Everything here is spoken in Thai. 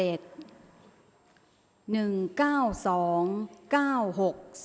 ออกรางวัลที่๖